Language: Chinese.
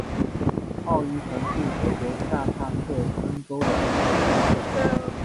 奥伊滕是德国下萨克森州的一个市镇。